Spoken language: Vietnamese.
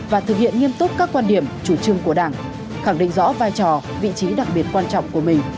và thực hiện nghiêm túc các quan điểm chủ trương của đảng khẳng định rõ vai trò vị trí đặc biệt quan trọng của mình